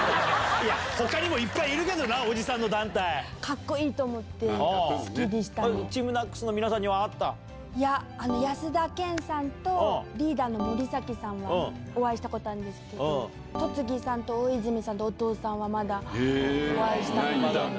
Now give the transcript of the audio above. いや、ほかにもいっぱいいるかっこいいと思って、好きでＴＥＡＭＮＡＣＳの皆さんいや、安田顕さんと、リーダーの森崎さんはお会いしたことあるんですけど、戸次さんと大泉さんと音尾さんはまだお会いしたことはないんで。